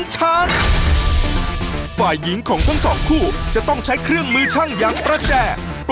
โชคความแม่นแทนนุ่มในศึกที่๒กันแล้วล่ะครับ